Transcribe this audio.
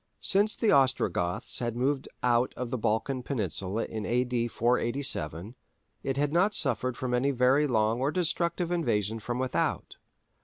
Since the Ostrogoths had moved out of the Balkan Peninsula in A.D. 487, it had not suffered from any very long or destructive invasion from without.